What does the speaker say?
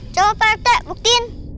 coba pak rete buktiin